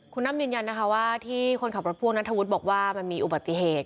คุณอ้ำยืนยันนะคะว่าที่คนขับรถพ่วงนัทธวุฒิบอกว่ามันมีอุบัติเหตุ